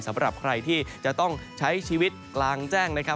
สำหรับใครที่จะต้องใช้ชีวิตกลางแจ้งนะครับ